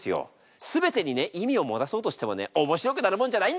全てにね意味を持たそうとしてもね面白くなるもんじゃないんだ！